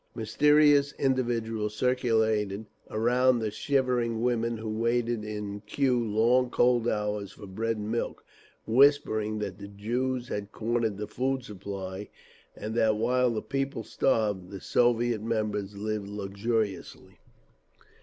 Mysterious individuals circulated around the shivering women who waited in queue long cold hours for bread and milk, whispering that the Jews had cornered the food supply—and that while the people starved, the Soviet members lived luxuriously….